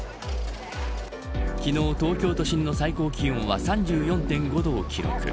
昨日、東京都心の最高気温は３４．５度を記録。